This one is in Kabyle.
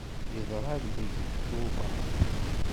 Yeḍra-d deg Tubeṛ.